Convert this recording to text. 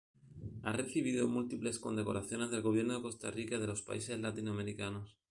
Ha recibido múltiples condecoraciones del Gobierno de Costa Rica y de los países latinoamericanos.